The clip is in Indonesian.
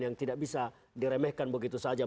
yang tidak bisa diremehkan begitu saja